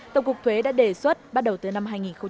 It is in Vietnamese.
tổng cục thuế đã đề xuất bắt đầu từ năm hai nghìn một mươi chín